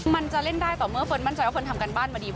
มันจะเล่นได้ต่อเมื่อเฟิร์นมั่นใจว่าเฟิร์นทำการบ้านมาดี